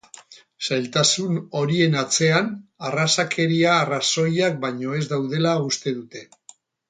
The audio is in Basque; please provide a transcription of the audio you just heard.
Zailtasun horien atzean arrazakeria arrazoiak baino ez daudela uste dute.